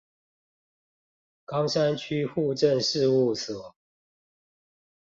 岡山區戶政事務所